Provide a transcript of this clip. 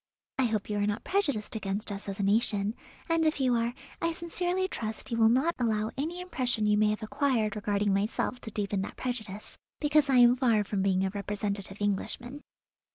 I hope you are not prejudiced against us as a nation; and, if you are, I sincerely trust you will not allow any impression you may have acquired regarding myself to deepen that prejudice, because I am far from being a representative Englishman."